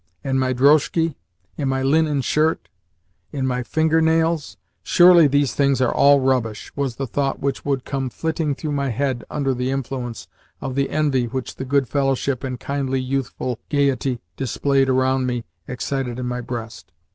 In my drozhki? In my linen shirt? In my finger nails? "Surely these things are all rubbish," was the thought which would come flitting through my head under the influence of the envy which the good fellowship and kindly, youthful gaiety displayed around me excited in my breast.